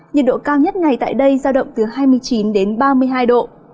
nhiệt độ cao nhất ngày tại đây giao động từ hai mươi chín đến ba mươi hai độ